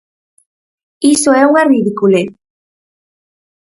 Iso é unha ridiculez.